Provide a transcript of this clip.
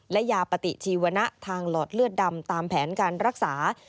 และยาปฏิชีวนะทางหลอดเลือดดำตามแผนการรักษา